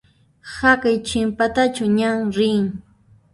Haqay chinpatachu ñan rin?